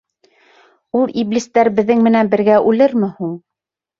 Ул иблистәр беҙҙең менән бергә үлерме һуң?